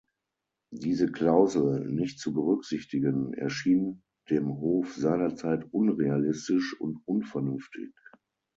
Diese Klausel nicht zu berücksichtigen, erschien dem Hof seinerzeit unrealistisch und unvernünftig.